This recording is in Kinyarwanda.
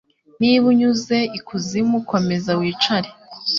Niba unyuze ikuzimu, komeza wicare